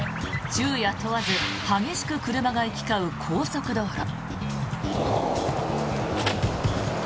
昼夜問わず激しく車が行き交う高速道路。